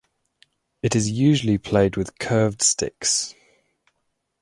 It is usually played with curved sticks.